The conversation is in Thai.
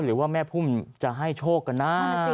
หรือว่าแม่พุ่มจะให้โชคกันนะ